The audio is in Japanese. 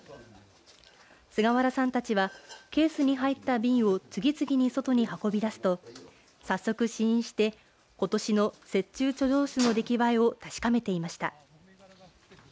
菅原さんたちはケースに入った瓶を次々に外に運び出すと早速、試飲してことしの雪中貯蔵酒の出来栄えを確かめていました。